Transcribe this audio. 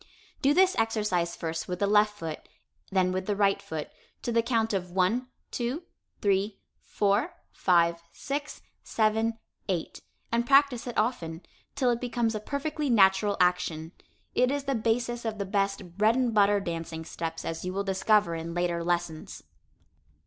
Do this exercise first with the left foot, then with the right foot, to the count of 1, 2, 3, 4, 5, 6, 7, 8, and practice it often, till it becomes a perfectly natural action. It is the basis of the best "bread and butter" dancing steps, as you will discover in later lessons.